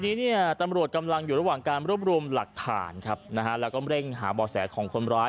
ทีนี้เนี่ยตำรวจกำลังอยู่ระหว่างการรวบรวมหลักฐานครับนะฮะแล้วก็เร่งหาบ่อแสของคนร้าย